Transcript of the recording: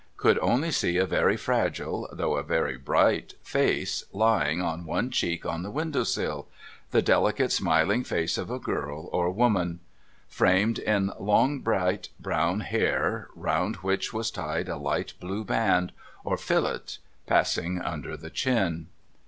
Could only see a very fragile, though a very bright face, lying on one cheek on the window sill. The delicate smiling face of a gnl or woman. Framed in long bright brown hair, round which was tied a light blue band or fillet, passing under the chin.